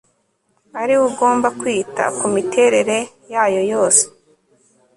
ari we ugomba kwita ku miterere yayo yose